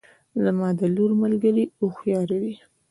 زما د لور ملګرې هوښیارې دي